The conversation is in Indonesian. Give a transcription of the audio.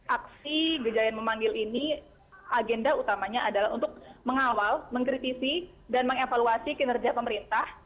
aksi gejayan memanggil ini agenda utamanya adalah untuk mengawal mengkritisi dan mengevaluasi kinerja pemerintah